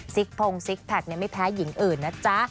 ซิกพงซิกแพคเนี่ยไม่แพ้หญิงอื่นนะจ๊ะ